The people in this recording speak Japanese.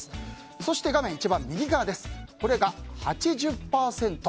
そして画面一番右側これが８０％。